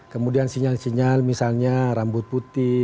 kemudian sinyal sinyal misalnya rambut putih